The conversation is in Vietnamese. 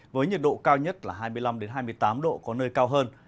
với nhiệt độ cao nhất là hai mươi năm hai mươi tám độ có nơi cao hơn